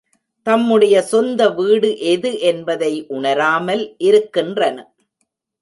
தம்முடைய சொந்த வீடு எது என்பதை உணராமல் இருக்கின்றன.